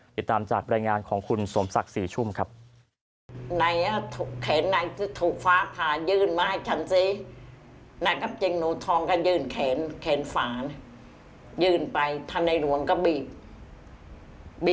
ติดตามจากรายงานของคุณสมศักดิ์ศรีชุ่มครับ